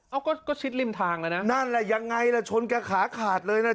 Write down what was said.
ก็ก็ชิดริมทางแล้วนะนั่นแหละยังไงล่ะชนแกขาขาดเลยนะ